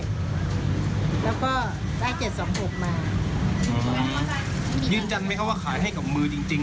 แล้วก็ได้เจ็ดสองหกมายืนยันไหมคะว่าขายให้กับมือจริงจริง